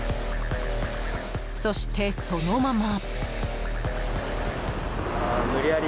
そして、そのまま。